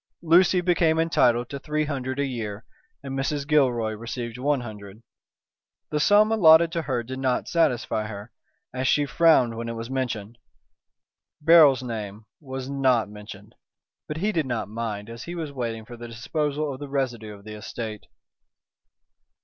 Lucy became entitled to three hundred a year, and Mrs. Gilroy received one hundred. The sum allotted to her did not satisfy her, as she frowned when it was mentioned. Beryl's name was not mentioned, but he did not mind as he was waiting for the disposal of the residue of the estate.